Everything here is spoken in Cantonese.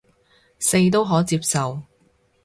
四都可接受